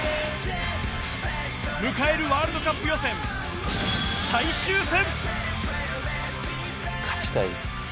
迎えるワールドカップ予選最終戦。